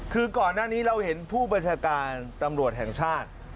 คือก่อนหน้านี้เราเห็นผู้บัญชาการตำรวจแห่งชาติ